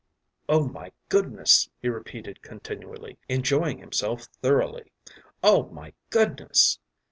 “Oh, my goodness!” he repeated continually, enjoying himself thoroughly. “Oh, my goodness!